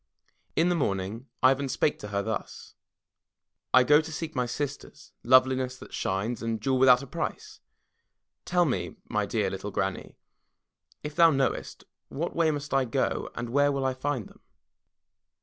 In the morning Ivan spake to her thus: "I go to seek my sisters, Loveliness That Shines, and Jewel Without A Price. Tell me, my dear little Granny, if thou know est, what way must I go and where shall I find them?"